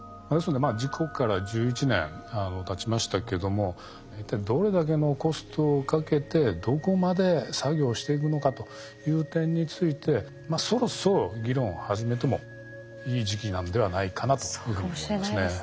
要するに事故から１１年たちましたけども一体どれだけのコストをかけてどこまで作業していくのかという点についてそろそろ議論を始めてもいい時期なんではないかなというふうに思いますね。